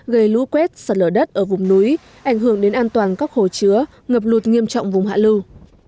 gây lũ quét sạt lở đất ở vùng núi ảnh hưởng đến an toàn các hồ chứa ngập lụt nghiêm trọng vùng hạ lưu